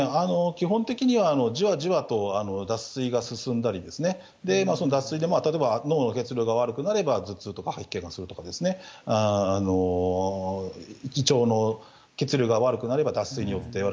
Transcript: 基本的にはじわじわと脱水が進んだりですね、その脱水で、例えば脳の血流が悪くなれば、頭痛とか吐き気がするとかですね、胃腸の血流が悪くなれば、脱水になる。